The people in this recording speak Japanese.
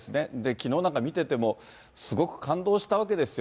きのうなんか見てても、すごく感動したわけですよ。